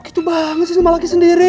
lu gitu banget sih sama laki sendiri